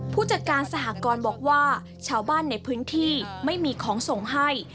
ผู้จัดการสหกรบอกว่าชาวบ้านในพื้นที่ไม่มีของส่งให้